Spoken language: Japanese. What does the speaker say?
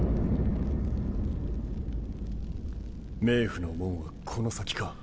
冥府の門はこの先か。